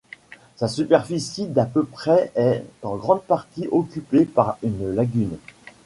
Sa superficie d'à peu près est en grande partie occupée par une lagune.